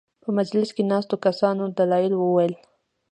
په مجلس کې ناستو کسانو دلایل وویل.